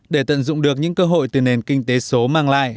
để tận dụng được những cơ hội từ nền kinh tế số mang lại